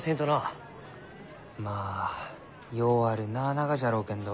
まあようある名ながじゃろうけんど。